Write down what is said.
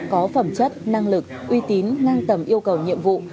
có phẩm chất năng lực uy tín ngang tầm yêu cầu nhiệm vụ